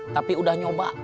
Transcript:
tapi udah nyoba